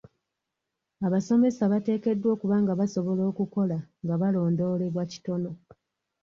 Abasomesa bateekeddwa okuba nga basobola okukola nga balondoolebwa kitono.